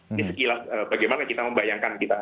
ini sekilas bagaimana kita membayangkan kita